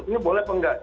ini boleh apa enggak